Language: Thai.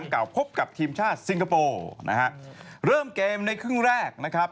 มีไทยภูมิกับครองมีทีมชาติซิงคาโปร์นะฮะเกมในเครื่องแรกนะครับ